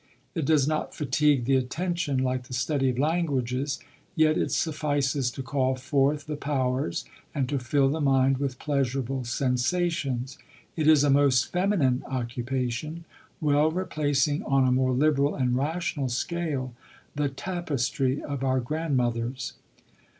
It does not fatigue the attention like the study of languages, yet it suffices to call forth the powers, and to fill the mind with pleasurable sensations. It is a most feminine occupation, well replacing, on a more liberal and rational scale, the tapestry o^ our grandmothers.